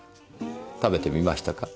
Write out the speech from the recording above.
食べてみましたか？